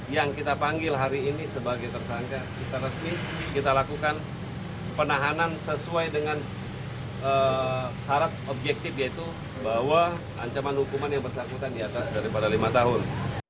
yang kita panggil hari ini sebagai tersangka kita resmi kita lakukan penahanan sesuai dengan syarat objektif yaitu bahwa ancaman hukuman yang bersangkutan di atas daripada lima tahun